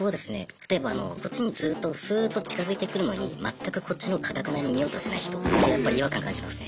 例えばあのこっちにずっとスーッと近づいてくるのに全くこっちのほう頑なに見ようとしない人やっぱり違和感感じますね。